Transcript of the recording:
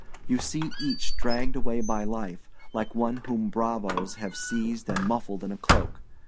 You see each dragged away by life, like one whom bravos have seized and muffled in a cloak.